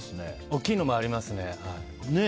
大きいのもありますね。